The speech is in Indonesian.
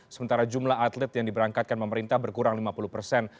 sementara jumlah atlet yang diberangkatkan pemerintah berkurang lima puluh persen